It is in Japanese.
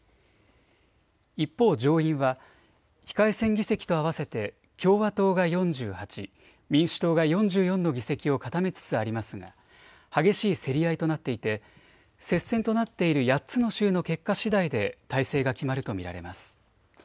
一方、上院は非改選議席と合わせて共和党が４８、民主党が４４の議席を固めつつありますが激しい競り合いとなっていて接戦となっている８つの州の結果しだいで大勢が決まると見られます。